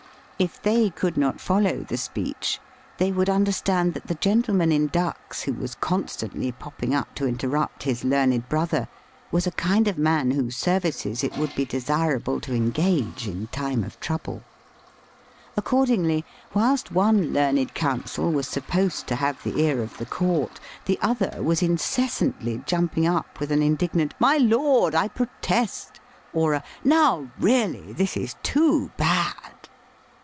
K they could not follow the speech they would understand that the gentleman in ducks who was constantly popping up to in terrupt his learned brother was a kind of man whose services it would be desirable to engage in time of trouble. Accordingly, whilst one learned counsel was supposed to have the ear of the court, the other was incessantly jumping up with an indignant, " My lord, I protest," or a *^Now, really this is too bad."